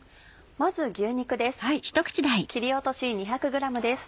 まず牛肉です